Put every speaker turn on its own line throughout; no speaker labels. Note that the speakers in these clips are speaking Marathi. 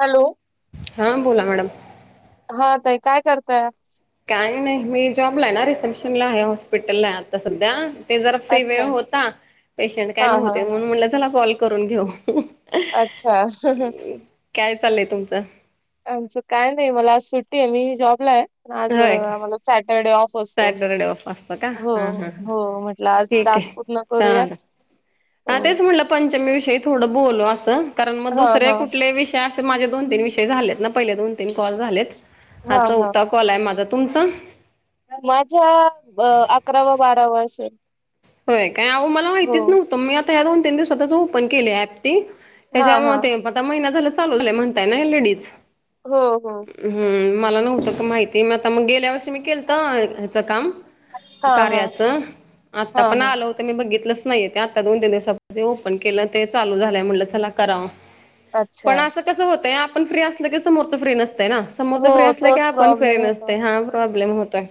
हॅलो
हा बोला मॅडम.
हा ताई, काय करताय?
काय नाही, मी जॉबलाय ना, रिसेप्शनलाय हॉस्पिटल ला आता सध्या. ते जरा फ्री
अच्छा
वेळ होता. पेशंट
हा
काय
हा
नव्हते, म्हणून म्हणलं चला कॉल करून घेऊ.
अच्छा! [unintelligible]
काय चालय तुमचं?
आमचं काय नाही मला आज सुट्टीय. मी ही जॉबलाय. आज अ
होय
आम्हाला सॅटरडे ऑफ असतो.
सॅटरडे ऑफ असतं का
हो,
हा हा ह.
हो म्हटलं आज
ठीक
टा
आहे
स्क पूर्ण
चालेल.
करूयात. हो
हा तेच म्हटलं, पंचमीविषयी थोडं बोलू असं, कारण मग
हा
दुसरे
हा
कुठले विषय अस माझे दोन तीन विषय झालेत ना, पहिले दोन तीन कॉल झालेत, हा चौथा क कॉलय माझं तुमचं,
माझा अकरावा-बारावा असेल.
होय काय, अहो मला
हो
माहितीच नव्हतं. मी आता या दोन- तीन दिवसातच ओपन केलय ऍप.
हा
त्याच्या
हा
मुळ ते, आता महिना झाला चालू झालय म्हणताय ना लेडीज.
हो, हो.
हम्म मला नव्हतं का माहिती. म आता मग गेल्या वेळेस तुम्ही केलतं, हेच काम,
हा हा
कार्याचं? आत्ता
हा
पण
हा
आलं होतं मी बघितलंच नाही. ते आता दोन -तीन दिवसा पूर्वी ओपन केलं. ते चालू झालंय म्हटलं चला कराव.
अच्छा
पण असं कसं होतय, आपण फ्री असल की, समोरच फ्री नसत. यना समोरच फ्री
हो
असल्या की,
तोच
आपण फ्री
प्रॉब्लेम होतो.
नसतय. हा प्रॉब्लेम होतोय.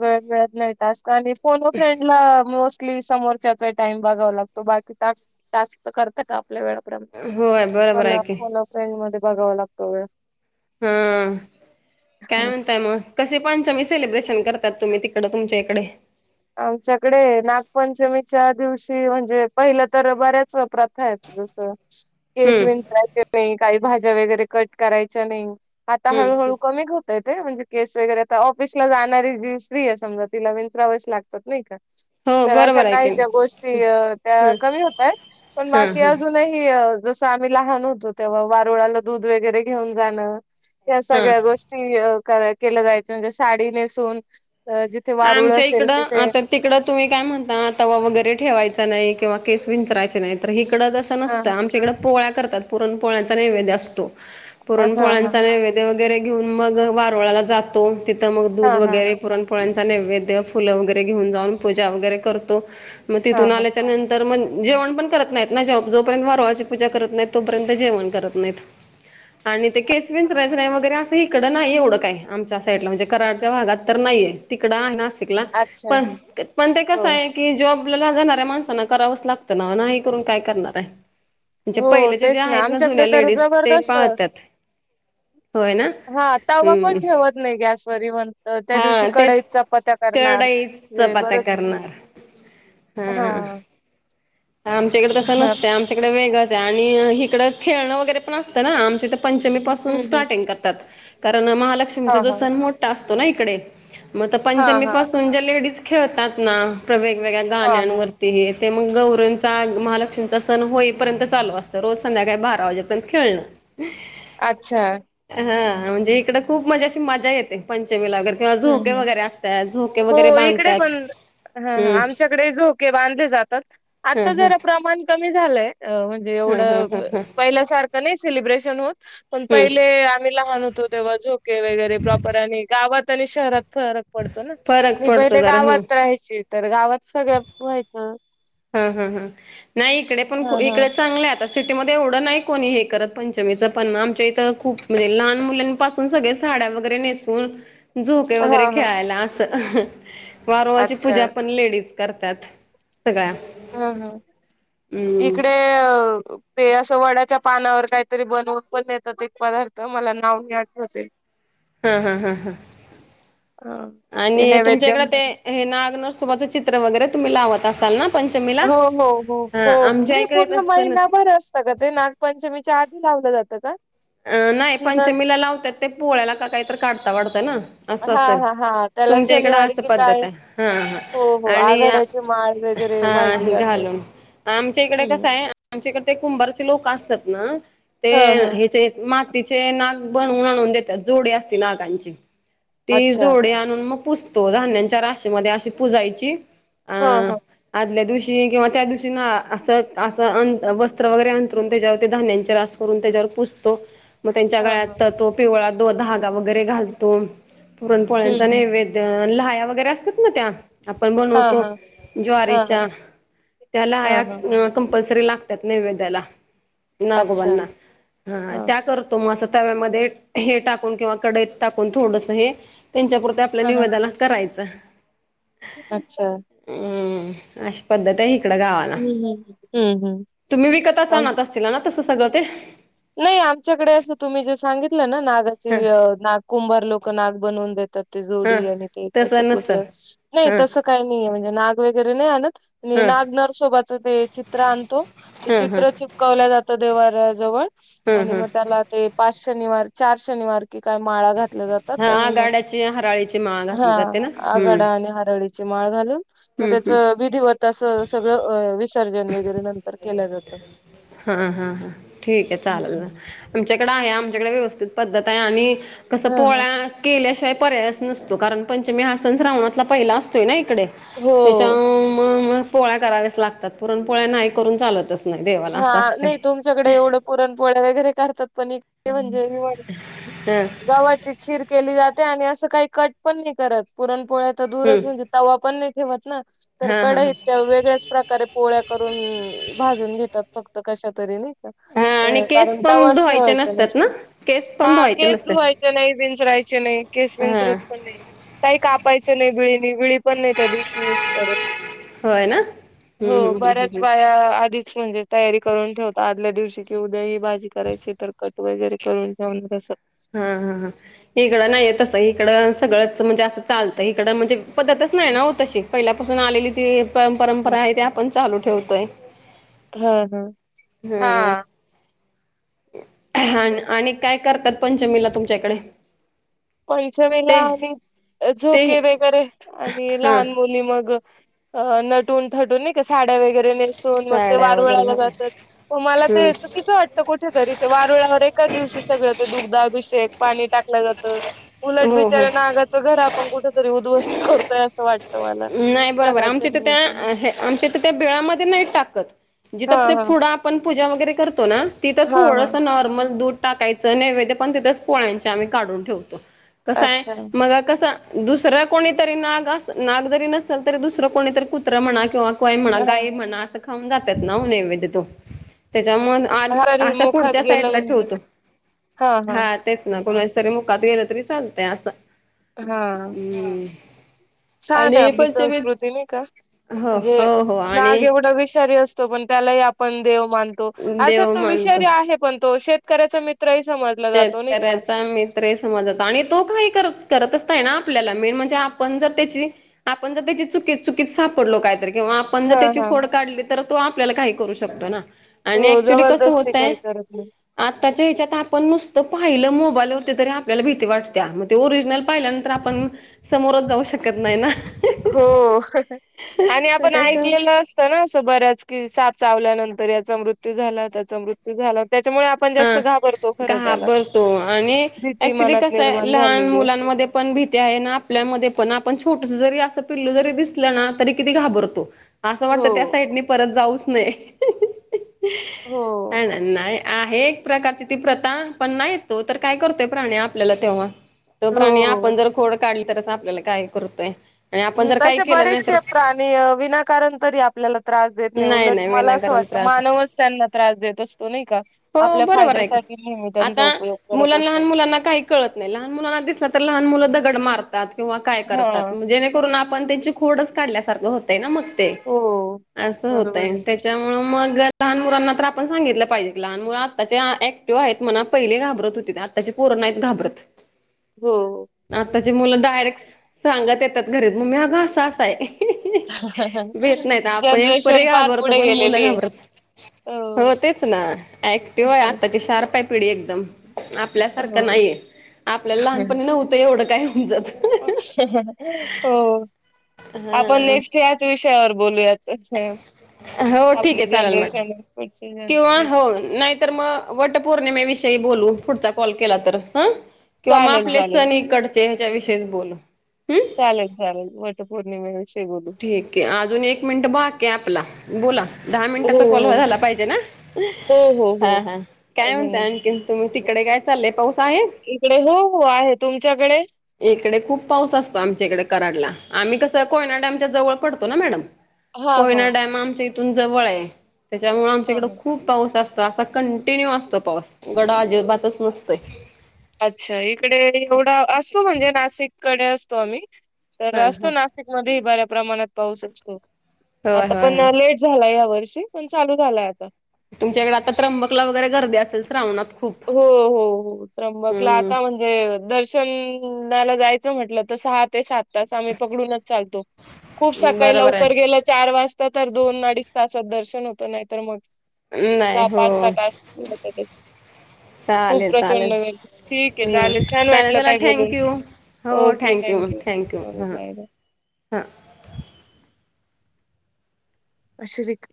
वेळ मिळत नाही टास्क आणि फोन व फ्रेंडला मोस् स्टली समोरच्याचा टाइम बघावा लागतो. बाकी टास् टास्क करतात आप आपल्या वेळा प्रमाणे.
होय बरोबर
पण
आहे की
फोन अन फ्रेंड मध्ये, बघावा लागतो वेळ.
हा, काय म्हणताय मग कसे? पंचमी सलिब्रेशन करतात, तुम्ही. तिकडं तुमच्या इकडे.
आमच्याकडे नागपंचमीच्या दिवशी म्हणजे पहिलं तर बऱ्याच प्रथायेत. जस केस
हम्म
विंचरायचे नाही, काही भाज्या वगैरे कट करायच्या नाही. आता
हम्म
हळूहळू कमी होतय. ते म्हणजे केस वगैरे आता, ऑफिस ला जाणारी जी स्त्री आहे समजा, तिला विंचरावेच लागतात, नाही का.
हो.
तर अशा
बरोबर
काही
ऐकेन
ज्या गोष्टी, त्या
हम्म
कमी होतायत. पण
हां
बाकी
हां
अजूनही जसं आम्ही लहान होतो तेव्हा वारुळाला दूध वगैरे घेऊन जाणं. या
हां
सगळ्या गोष्टी केलं जायचं म्हणजे साडी नेसून, तर जिथे वारूळ असेल, तिथे
आ तर तिकडं तुम्ही काय म्हणता तवा वगैरे ठेवायचा नाही किंवा केस विंचरायचे नाही तर ह इकडं त असं
हां,
नसतं आम इकडं पोळ्या करतात पुरण पोहळ्याचा नैवेद्य असतो.
हां, हां, हां,
पुरणपोळांचा नैवेद्य वगैरे घेऊन मग वारुळाला जातो. तिथं मग दूध
हां, हां,
वगैरे पुरणपोळ्यांचा नैवेद्य फुलं वगैरे घेऊन जाऊन पूजा वगैरे करतो. मग
हां,
तिथून
हां.
आल्याच्या नंतर मग जेवण पण करत नाही. जोपर्यंत वारळाची पूजा करत नाहीत तोपर्यंत जेवण करत नाहीत. आणि ते केस विंचरायचं नाही वगैरे असं इकडं नाही एवढं काय आमच्या साईडला म्हणजे कराडच्या भागात तर नाहीये. तिकड नािकला
अच्छा.
पण पण ते
हो,
कस आहे की ज जॉब लागणाऱ्या माणसाांना करावंच लागतं ना नाही हे करून काय करणार आहे. म्हणजे
हो
पहिलेचे जे
तेच
आहेत ना
आमच्याकडे
जुन्या
तर
लेडीज ते
जबरदस्त
पाहतात
हा तवा पण ठेवत नाही गॅसवरी म्हण तर त्या दिवशी
हा तेच
कडईत चपात्या करणार
करडाई चपात्या
बरचस
करणार हा आमच्याकडे तसं
हां.
नसतं आमच्याकडे वेगळच आहे आणि हिकडं खेळणं वगैरे पण असतं ना आमचे तर पंचमी पासून
हं, हं.
स्टार्टिंग करतात कारण महालक्ष्मीचा
हां,
जो
हां.
सण मोठा असतो ना इकडे मग तर
हां,
पंचमी
हां.
पासून जे लेडीज खेळतात ना ते वेगवेगळ्या
हां, हां.
गाण्यांवरती ते मग गौरी महालक्ष्मीचा सण होईपर्यंत चालू असतं रोज संध्याकाळी बारा वाजेपर्यंत खेळण
अच्छा
हा म्हणजे इकड खूप मंजे अशी मजा येते प किंवा
हं,
झोके
हं.
वगैरे असतात झोके वगैरे
हो इकडे
बांधतात
पण हा हा
हम्म
आमच्याकडे झोके बांधले जातात
ह
आता
ह
जरा प्रमाण कमी झालंय अ म्हणजे
ह
एवढं
ह ह ह
पहिल्या सारखं नाही सेलिब्रेशन होत पण
हम्म
पहिले आम्ही लहान होत तेव्हा झोके वगैरे प्रॉपर आणि गावात आणि शहरात फरक पडतो ना
फरक
मी
पडतो
पहिले
जरा हं
गावात राहायची तर गावात सगळ्यात व्हायचं
हा हा ह नाही इकडे पण
हा हा.
इकडे चांगलय आता सिटीमध्ये एवढं नाही कोणी हे करत पंचमीचं पण आमच्या इथं खूप म्हणजे लहान मुलांपासून सगळे साड्या वगैरे नेसून झोके
हा
वगैरे
हा
खेळायला असं वारूळाची
अच्छा
पूजा पण लेडीज करतात सगळ्या
हम् हम् इकडे अ ते असं वड्याच्या पानावर काहीतरी बनवून पण देतात एक पदार्थ मला नाव नाही आठवत आहे
हा हा हा
हा ते
आणि तुमच्या
नैवेद्य
इकड ते
म्हणून
हे नाग नरसोबाचं चित्र वगैरे तुम्ही लावत असाल ना पंचमीला
हो हो हो
हा
हो
आमच्या
म्हणजे
इकडे
पूर्ण
तसं नसते
महिनाभर असत का ते नागपंचमीच्या आधी लावल जात का
अ नाही
की नं
पंचमीला लावतात ते पोळ्याला का काहीतरी काढता वाढता ना असं
हां,
असेल
हां, हां. त्याला
तुमच्या इकड
शनिवारी
अस
की काय?
पद्धत आहे हा
हो,
हा
हो.
आणि
आघाड्याची माळ वगैरे
हा
वाहिली
हे
जाते.
घालून आमच्या इकडे
हं.
कसं आहे आमच्या इकडे ते कुंभारचे लोक असतात त्यात ना ते
हां, हां.
हेचे तिचे नाग बनवून आणून देतात जोडी असती नागांची ती
अच्छा.
जोडी आणून मग पुजतो धान्याच्या राशी मधे अशी पुजायची अ
हां, हां.
आदल्या दिवशी किंवा त्या दिवशी ना असं असं अ वस्त्र वगैरे अंथरूण त्याच्यावर ते धान्यांचे रास करून त्याच्यावर पुस तो मग त्यांच्या
हां, हां.
गळ्यात तो पिवळा दो धागा वगैरे घालतो
हं,
पुरणपोळ्यांचा
हं.
नैवेद्य आणि लह्या वगैरे असतात ना त्या आपण
हां,
बनवतो
हां. हां, हां.
ज्वारीच्या त्या
हां, हां.
लाह्या कंपल्सरी तरी लागतात नैवेद्याला
अच्छा.
नागोबानां
हां.
त्या करतो मग अस तव्यामध्ये हे टाकून किंवा कडईत टाकून थोडस हे त्यांच्यापुंरत आपल्या
हां, हां.
निवदाला करायचं
अच्छा
हम्म अशी पद्धत आहे इकड गावाला
हं, हं. हं, हं.
तुम्ही विकत असाल ना तला ना तस [unintelligible]
नाही आमच्याकडे असं तुम्ही जे सांगितलं ना नागाची
ह
नाग कुंभार लोक नाग बनवून देतात
ह
जोडी आणि ते तस ल
तसं
पो
नसल
नाही
हं
तस काही नाहीे म्हणजे नाग वगैरे नाही आणत
हं
नागनरसोबाच ते चित्र आणतो ते
हं हं
चित्र चिपकवल जातं दे जवळव
हं
आणि
हं
मग त्याला ते पाच शनिवार चार शनिवार कि काय माळा घात जातात
हा
आणि मग
आगाड्याची हराळीची माळ
हा
घातली जाते ना हम्म
आघाडा आणि हरळीव माळ घालून
हम्म
त्याच
हम्म
विधीवत अस सगळ
हा हा हा ठीक आहे चालेल
हम्म.
आमच्याकडे आहे आमच्याकडे व्यवस्थित पद्धत आहे आणि कसं
हा हा
पोळ्या केल्याशिवाय. पर्यास नसतो कारण पंचमी हा सण श्रावणातला पहिला असतोय नाही. इकडे त्याच्या
हो
मग पोळ्या कराव्याच लागतात पुरण पोळ्या नाही करून चालतच. नाही देवाला असं
हा
असतंय
नाही तुमच्याकडे एवढं पुरणपोळ्या वगैरे करतात पण इ. थ म्हणजे
हा
गव्हाची खीर केली जाते. ते आणि असं काही कट पण नाही करत पुरणपोळ्या तर
हम्म
दूरच म्हणजे तवा पण नाही ठेवत ना. तर
हा हा हा
कढईत त्या वेगळ्याच प्रकारे पोळ्या करून भाजून घेतात. फक्त कशा तरी नाही
हा
का
आणि केस
कारण
पण
तवाच
धुवायचे
ठेवायचं
नसतात ना
नसतो.
केस पण
हा
धुवायचे
केस
नसतात
धुवायचे नाही विंचरायचे नाही केस
हा
विंचरत पण नाही काही कापायचे. नाही विळी नाही विळी पण नाही त्या दिवशी यूज करत.
होय ना
हो
हम्म हम्म हम्म
बऱ्याच
हम्म
बाया आधी. तयारी करून ठेवतात आदल्या दिवशी की उद्या ही भाजी करायची तर कट वगैरे करून ठेवण तसं.
हा हा हा इकडं नाहीय तस इकडं सगळंच म्हणजे असं चालतं इकड म्हणजे पद्धतच. नाही ना हो तशी पहिल्यापासून आलेली ती परंपरा आहे ते आपण चालू ठेवतोय.
हा हा
हम्म
हा.
आणि काय करतात पंचमीला तुमच्याकडे.
पंचमीला
ते
आणि
ते
झोके वगैरे आणि
हा
लहान मुली मग. अं नटून थटून नाही का साडी. वगैरे नेसून मग ते
साड्या वगैरे
वारुळाला
घालून
जातात मला
हम्म
ते चुकीचं वाटत कोठेतरी ते वारुळा. अरे एकाच दिवशी सगळं ते दुग्धाभिषेक. पाणी टाकलं जातं उलट
हो हो
बिचाऱ्या नागाच घर आपण कुठेतरी उद्धवस्त करतोय असं वाटत.
नाही बरोबर आमच्या तर त्या आमच्या तर त्या बिळामध्ये नाही टाकत. जिथं
हां, हां.
पुढं आपण पूजा वगैरे करतो ना तिथं
हां,
थोडस
हां.
नॉर्मल दूध. टाकायचं नैवेद्य पण तिथंच पोळ्यांचे आम्ही काढून ठेवतो कसं आहे
अच्छा.
मग कसं. दुसरं कोणीतरी नाग अस नाग जरी नसेल तरी दुसरं कोणीतरी कुत्रा म्हणा किंवा. काय म्हणा
हां,
गाई
हां.
म्हणा असं खाऊन जातात ना नैवेद्य तो. त्यामुळं आत
तरी
अशा
मुखात
पुढच्या
गेलं
साईडला
म्हणजे
ठेवतो
हां, हां.
हा तेच ना कोणाच. तरी मुकात गेलं तरी चालतय असं
हां.
हम्म.
छान आहे आपली संस्कृती नाही का
हो
म्हणजे
हो हो
नाग
आणि
एवढं विषारी असतो. पण त्यालाही आपण देव मानतो अर्थात
देव
तो
मानतो.
विषारी आहे पण तो शेतकऱ्याचा मित्र
शेतकऱ्याचा मित्र समजात आणि तो काय कर. करतच नाही ना आपल्याला मेन म्हणजे आपण जर त्याची आपण जर त्याची चुकीत चुकीत सापडलो कायतरी किंवा आपण जर
हां,
त्याची
हां.
खोड काढली तर तो आपल्याला काही करू शकतो ना. आणि
हो,
ऍक्च्युली कस
जबरदस्ती
होतय
काही करत नाही.
आताच्या हेच्यात आपण नुसतं पाहिलं मोबाईलवरती तरी आपल्याला भीती वाटते्या मग ते ओरिजिनल पाहिल्यानंतर आपण. समोरच जाऊ शकत नाही ना.
हो आणि
तर
आपण ऐकलेलं
त्याच्या
असतं ना असं बरंच कि साप चावल्यानंतर. तर याचा मृत्यू झाला त्याचा मृत्यू झाला. त्याच्यामुळे आपण जास्त
हा
घाबरतो खरं त्याला,
घाबरतो आणि
भीती मनात निर्माण झालेली असते.
मध्ये पण भीती आहे अन् आपल्यामध्ये पण आपण छोटुस जरी अस पिल्लू जरी दिसलं ना तरी किती घाबरतो, असं
हो
वाटतं त्या साईडनी परत जाऊच नये,
हो.
हाय ना, नाय आहे एक प्रकारची ती प्रथा, पण नाहीे तो तर काय करतोय प्राणी आपल्याला तेव्हा. तो प्राणी
हो.
आपण जर खोड काढली तरच आपल्याला काय करतोय. आणि आपण
हम्म,
जर काही
तसे
केलं नाही तर
बरेचसे प्राणी अ विनाकारण तरी आपल्याला त्रास देत नाही, उलट मला असं वाट त मानवच त्यांना त्रास देत असतो नाही का,
हो
आपल्या
बरोबर आहे की
फायद्यासाठी नेहमी त्यांचा
आता
उपयोग करत
मुला लहान
असतो.
मुलांना काही कळत नाही, लहान मुलांना दिसलं तर लहान मुलं दगड मार तात किंवा काय करतात,
हा
म जेणेकरून आपण त्याची खोडच काढल्यासारखं होतंय ना मग. ते
हो
असं
बरोबर
होतंय,
आहे.
त्याच्यामुळे मग लहान मुलांना तर आपण सांगितलं पाहिजे. लहान मुलं आताची आ ऍक्टिव्ह आहेत म्हणा, पहिले घाबरत होती ते आत्ताचे पोरं नाहीत घाबरत.
हो हो.
चे मुलं डायरेक्ट सांगत येतात घरी, मम्मी अगं असं असं हाय. भेत नाहीत, आपण एक परे
जनरेशन फार
घाबरतो
पुढे
पण मुलं
गेलेली आहे.
घाबरत हो तेच ना, ऍक्टिव आहे आताची शार्प हाय पिढी एकदम. आपल्यासारखं
हो
नाहीये, आपल्याला लहानपणी नव्हतं एवढं काय होऊन जात
हो आपण
हा
नेस्ट याच विषयावर बोलूयात अच्छा.
हो ठीक आहे चालेल मग.
पुढची
किंवा
जनरेशन
हो नाहीतर मग वटपौर्णिमेविषय ते बोलो. पुढचा कॉल केला तर. ह किंवा मग
चालेल
आपले
चालेल
सण इकडचे. ह्याच्या विषयीच बोलू. हम्म
चालेल-चालेल वटपौर्णिमे विषय बोलू.
मिनट बाकी आपला बोला. दहा
हो
मिनिटाचा कॉल
हो
झाला पाहिजे ना.
हो हो हो
हा हा काय म्हणतय
अजून
आणखीन तुम्ही तिकडे काय चाललंय पाऊस. हे
इकडे हो हो आहे तुमच्याकडे
इकडे खूप पाऊस असतो आमच्या इकडे कराडला. आम्ही कस कोयना डॅमच्या जवळ पडतो ना. मॅडम
हा हा
कोयना डॅम आमच्या हित जवळ आहे त्याच्यामुळे आमच्या
हा
इकडे
हा
खूप पाऊस असतो. असा कंटिन्यू असतो पाऊस गड अजिबातच नसतोय
अच्छा इकडे एवढा असतो म्हणजे. नाशिक कडे असतो आम्ही. तर
हा हा
असतो नाशिक मध्येही बऱ्या प्रमाणात पाऊस असतो.
होय
आता
होय
पण
होय
लेट झालाय या वर्षी. पण चालू झालाय आता.
तुमच्याकडे आता त्र्यंबकला वगैरे गर्दी असेल श्रावणात. खूप
हो. हो. हो त्रबकला आता
हम्म
म्हणजे दर्शन. नाला जायचं म्हटलं तर सहा ते सात. तास आम्ही पकडूनच चालतो. खूप सकाळी
बरोबर
लवकर गेलं चार वाजता तर दोन अडीच तासात दर्शन होत नाही तर मग.
आहे नाही हो
सहा-पाच सहा तास लावत्यातच खूप
चालेल
प्रचंड
चालेल
गर्दी झाले. ठीक आहे.
हम्म
चालेल छान
चालेल
वाटलं
चला
ताई बोलून.
Thank you
okay thank you bye bye
हा.
आशरिक